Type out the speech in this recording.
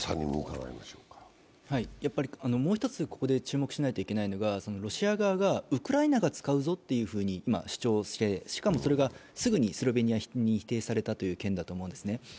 もう一つここで注目しなければいけないのはロシア側がウクライナが使うぞと今、主張して、しかもそれがすぐにスロベニアに否定されたという件だと思うんですね。